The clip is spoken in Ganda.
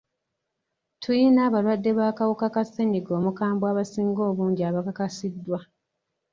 Tuyina abalwadde b'akawuka ka ssenyiga omukambwe abasinga obungi abakakasiddwa.